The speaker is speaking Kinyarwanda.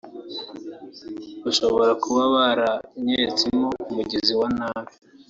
bashobora kuba baranketsemo umugizi wa nabi